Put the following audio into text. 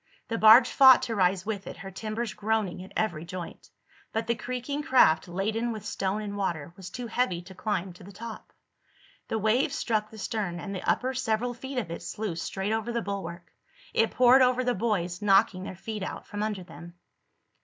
The barge fought to rise with it, her timbers groaning at every joint. But the creaking craft, laden with stone and water, was too heavy to climb to the top. The wave struck the stern, and the upper several feet of it sluiced straight over the bulwark. It poured over the boys, knocking their feet out from under them.